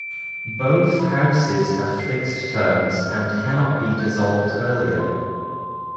Both houses have fixed terms and cannot be dissolved earlier.